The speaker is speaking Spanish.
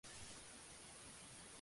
Algunas tramas más.